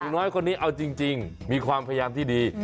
น้อยคนนี้เอาจริงมีความพยายามที่ดี